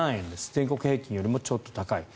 全国平均よりもちょっと高い。